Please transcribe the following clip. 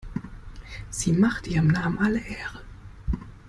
Sie macht ihrem Namen alle Ehre.